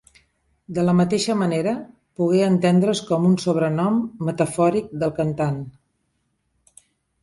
De la mateixa manera, pogué entendre's com un sobrenom metafòric del cantant.